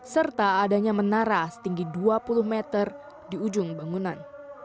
serta adanya menara setinggi dua puluh meter di ujung bangunan